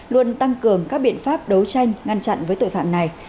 luôn tăng cường các biện pháp đấu tranh ngăn chặn với tội phạm này